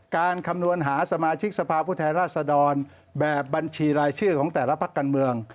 การคำนวณหาสมาชิกสภาพฤทธิราชดรแบบบัญชีรายชื่อของแต่ละภาคกรรมเมือง